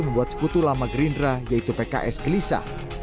membuat sekutu lama gerindra yaitu pks gelisah